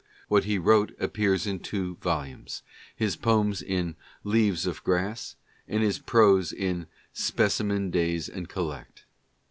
U^iat he wrote appears in two volumes — his poems in "Leaves of Grass,' ' and his prose in "Specimen Days and Collect."